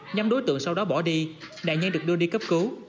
nhóm đối tượng sau đó bỏ đi nạn nhân được đưa đi cấp cứu